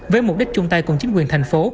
với mục đích chung tay cùng chính quyền thành phố